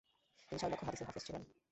তিনি ছয় লক্ষ হাদীছের হাফেয ছিলেন।